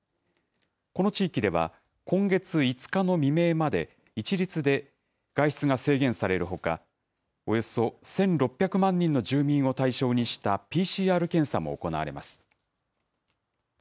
この地域では、今月５日の未明まで一律で外出が制限されるほか、およそ１６００万人の住民を対象にしたＰＣＲ検査も行われます。